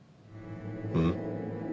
うん？